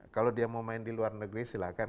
kalau dia mau main di luar negeri silakan